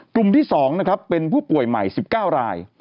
กลุ่มที่๒นะครับเป็นผู้ป่วยใหม่๑๙ราย